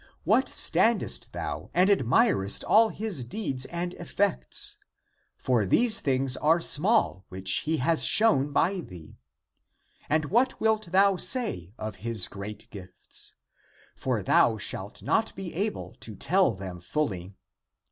What standest thou and admirest all his deeds and effects! For these things are small which he has shown by thee. And what wilt thou say of his great gifts? For thou shalt not be able to tell them fully.